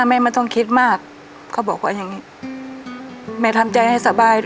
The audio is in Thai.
แม่ไม่ต้องคิดมากเขาบอกว่าอย่างนี้แม่ทำใจให้สบาย